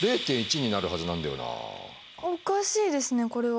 おかしいですねこれは。